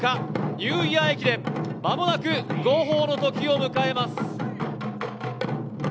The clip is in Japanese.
ニューイヤー駅伝間もなく号砲の時を迎えます。